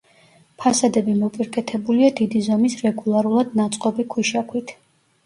ფასადები მოპირკეთებულია დიდი ზომის რეგულარულად ნაწყობი ქვიშაქვით.